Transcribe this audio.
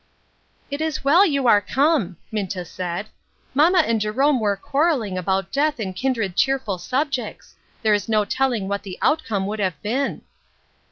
" It is well you are come," Minta said ;" mamma and Jerome are quarreling about death and kindred cheerful subjects ; there is no telling what the out come would have been."